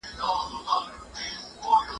فتح خان او رابعه هم په دې کتاب کي وو.